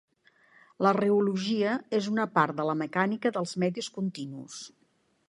La reologia és una part de la mecànica dels medis continus.